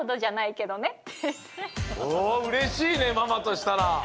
おうれしいねママとしたら！